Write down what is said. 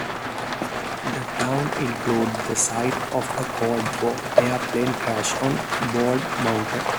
The town includes the site of a Cold War airplane crash on Bald Mountain.